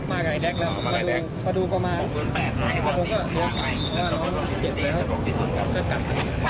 เสียงของหนึ่งในผู้ต้องหานะครับ